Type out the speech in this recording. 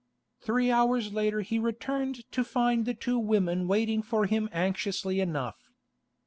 Three hours later he returned to find the two women waiting for him anxiously enough.